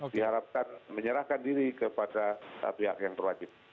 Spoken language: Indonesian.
diharapkan menyerahkan diri kepada pihak yang berwajib